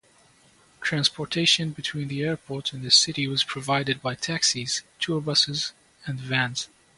Transportation between the airport and city was provided by taxis, tour buses and vans.